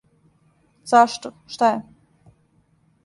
Зашто, шта је?